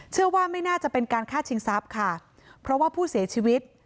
เชื่อว่าไม่น่าจะเป็นการฆ่าชิงทรัพย์ค่ะเพราะว่าผู้เสียชีวิต